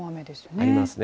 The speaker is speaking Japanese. ありますね。